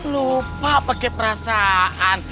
lupa pakai perasaan